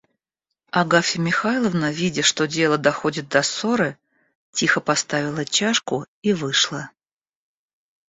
Агафья Михайловна, видя, что дело доходит до ссоры, тихо поставила чашку и вышла.